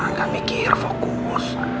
angga mikir fokus